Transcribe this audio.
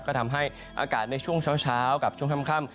ก็ทำให้อากาศในช่วงเช้ากับช่วงค่ำ